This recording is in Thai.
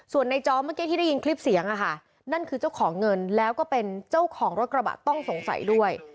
ส่วนในจอเมื่อกี้ที่ได้ยินคลิปเสียงนั่นคือเจ้าของเงินแล้วก็เป็นเจ้าของรถกระบะต้องสงสัยด้วย